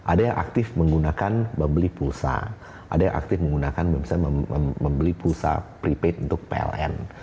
ada yang aktif menggunakan membeli pulsa ada yang aktif menggunakan misalnya membeli pulsa prepaid untuk pln